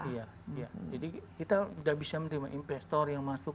iya jadi kita sudah bisa menerima investor yang masuk